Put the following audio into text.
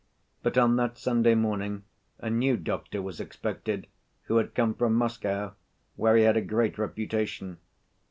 But on that Sunday morning a new doctor was expected, who had come from Moscow, where he had a great reputation.